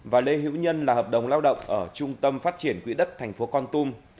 và lê hữu nhân là hợp đồng lao động ở trung tâm phát triển quỹ đất tp con tum